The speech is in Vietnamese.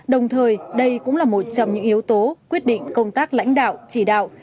đồng thời đây cũng là một trong những yếu tố quyết định công tác lãnh đạo chỉ đạo